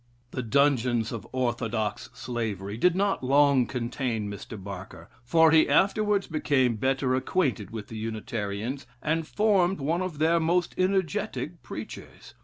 "The dungeons of orthodox slavery" did not long contain Mr. Barker; for he afterwards became better acquainted with the Unitarians, and formed one of their most energetic preachers.